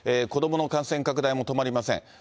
子どもの感染拡大も止まりません。